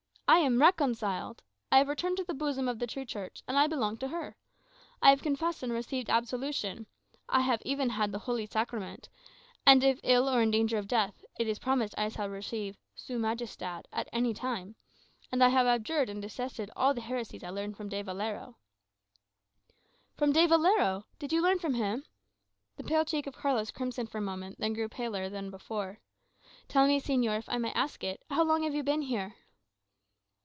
"I am reconciled. I have returned to the bosom of the true Church, and I belong to her. I have confessed and received absolution. I have even had the Holy Sacrament; and if ill, or in danger of death, it is promised I shall receive 'su majestad'[#] at any time. And I have abjured and detested all the heresies I learned from De Valero." [#] "His Majesty," the ordinary term applied by Spaniards to the Host. "From De Valero? Did you learn from him?" The pale cheek of Carlos crimsoned for a moment, then grew paler than before. "Tell me, señor, if I may ask it, how long have you been here?"